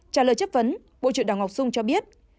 trả lời chất vấn bộ trưởng đào ngọc dung cho biết